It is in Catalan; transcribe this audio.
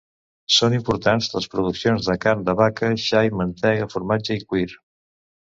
Són importants les produccions de carn de vaca, xai, mantega, formatge i cuir.